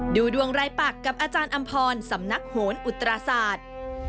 ดูดวงรายปักกับอาจารย์อำพรสำนักโหนอุตราศาสตร์